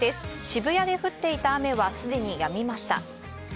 渋谷で降っていた雨はすでにやみました。